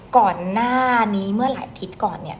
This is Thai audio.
ก่อนหน้านี้เมื่อหลายอาทิตย์ก่อนเนี่ย